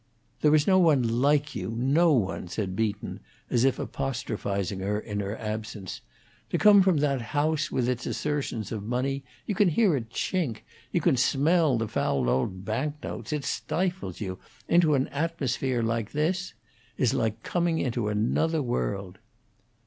"There is no one like you no one," said Beaton, as if apostrophizing her in her absence. "To come from that house, with its assertions of money you can hear it chink; you can smell the foul old banknotes; it stifles you into an atmosphere like this, is like coming into another world."